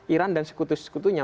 iran dan sekutu sekutunya